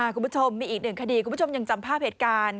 คุณผู้ชมมีอีกหนึ่งคดีคุณผู้ชมยังจำภาพเหตุการณ์